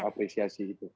tidak ada apresiasi itu